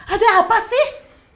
ada apa sih